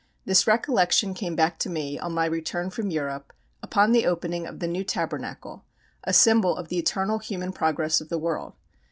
This recollection came back to me, on my return from Europe, upon the opening of the new Tabernacle, a symbol of the eternal human progress of the world.